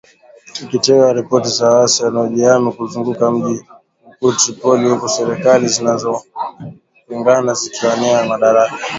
Ikitoa ripoti za waasi wanaojihami kuzunguka mji mkuu Tripoli huku serikali zinazopingana zikiwania madaraka.